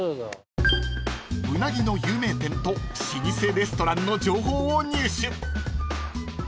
［うなぎの有名店と老舗レストランの情報を入手］